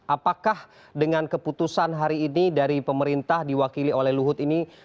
apakah dengan keputusan hari ini dari pemerintah diwakili oleh luhut ini